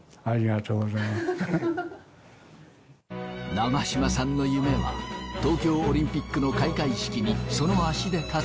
長嶋さんの夢は東京オリンピックの開会式にその足で立つという事。